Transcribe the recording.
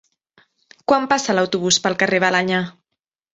Quan passa l'autobús pel carrer Balenyà?